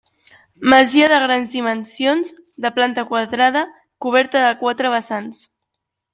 Masia de grans dimensions, de planta quadrada, coberta a quatre vessants.